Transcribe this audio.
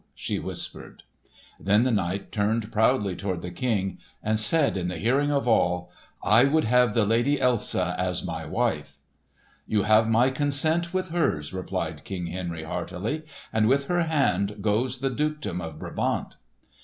she whispered. Then the knight turned proudly toward the King, and said in the hearing of all, "I would have the Lady Elsa as my wife." "You have my consent with hers," replied King Henry, heartily. "And with her hand goes the dukedom of Brabant."